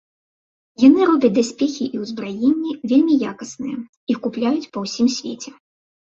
Яны робяць даспехі і ўзбраенне, вельмі якасныя, іх купляюць па ўсім свеце.